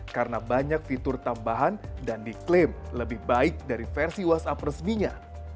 karena banyak fitur tambahan dan diklaim lebih baik dari versi whatsapp resminya